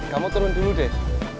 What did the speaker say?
kamu turun dulu ded